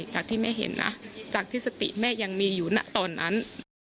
จากที่แม่เห็นนะจากที่สติแม่ยังมีอยู่นะตอนนั้น